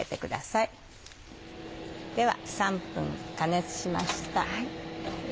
では３分加熱しました。